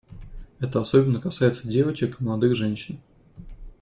Это особенно касается девочек и молодых женщин.